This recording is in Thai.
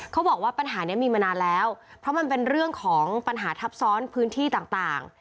เขาบอกว่าปัญหานี้มีมานานแล้วเพราะมันเป็นเรื่องของปัญหาทับซ้อนพื้นที่ต่าง